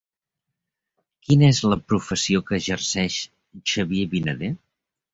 Quina és la professió que exerceix Xavier Vinader?